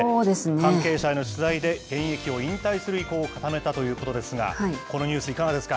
関係者への取材で現役を引退する意向を固めたということですが、このニュース、いかがですか？